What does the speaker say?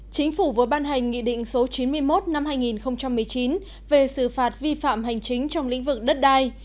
chính phủ vừa ban hành nghị định số chín mươi một năm hai nghìn một mươi chín về xử phạt vi phạm hành chính trong lĩnh vực đất đai